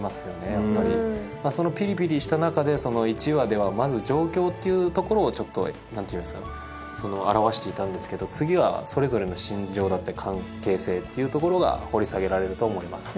やっぱりまあそのピリピリした中でその１話ではまず状況っていうところをちょっと何て言うんですかね表していたんですけど次はそれぞれの心情だったり関係性っていうところが掘り下げられると思います